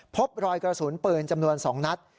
พบรอยกระสุนปืนจำนวน๒นัด